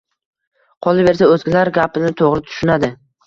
Qolaversa, o‘zgalar gapini to‘g‘ri tushunadi.